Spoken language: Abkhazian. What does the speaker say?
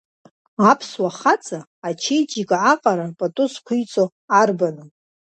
Аԥсуа хаҵа ачеиџьика аҟара пату зқәиҵо арбану?